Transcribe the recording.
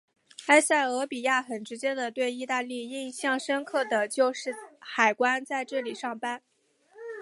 埃塞俄比亚很直接的对意大利印象深刻的就是海关在这里上班。